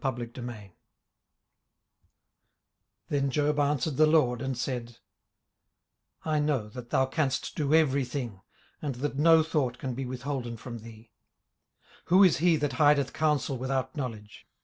18:042:001 Then Job answered the LORD, and said, 18:042:002 I know that thou canst do every thing, and that no thought can be withholden from thee. 18:042:003 Who is he that hideth counsel without knowledge?